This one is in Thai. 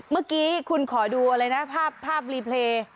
เมื่อกี้คุณขอดูอะไรนะภาพรีเพลย์